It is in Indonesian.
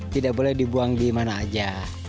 tidak boleh dibuang di mana saja